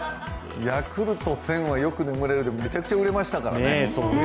ヤクルト１０００はめちゃくちゃ売れましたからね。